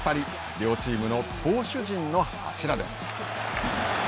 両チームの投手陣の柱です。